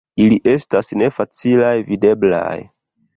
Ili estas ne facilaj videblaj.